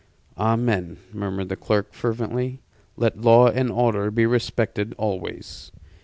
"Amen," murmured the clerk, fervently. "Let law and order be respected always."